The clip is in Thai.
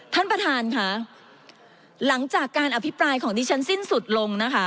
ท่านประธานค่ะหลังจากการอภิปรายของดิฉันสิ้นสุดลงนะคะ